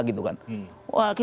kita sudah mengulangkan ini itu dsb